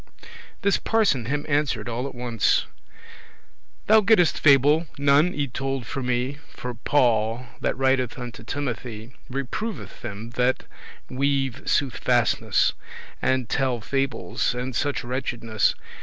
This Parson him answered all at ones; "Thou gettest fable none y told for me, For Paul, that writeth unto Timothy, Reproveth them that *weive soothfastness,* *forsake truth* And telle fables, and such wretchedness.